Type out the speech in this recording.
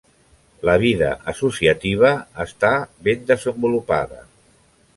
La vida associativa està ben desenvolupada.